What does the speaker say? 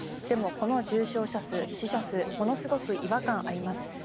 でも、この重症者数、死者数ものすごく違和感あります。